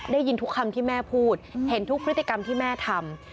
ได้ยินทุกคำที่แม่พูดเห็นทุกพฤติกรรมที่แม่ทำ